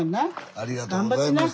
ありがとうございます。